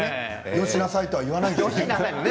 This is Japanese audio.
およしなさいと言わないんですね。